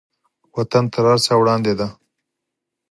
وطن تر هر چا وړاندې دی.